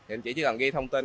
anh chị chỉ cần ghi thông tin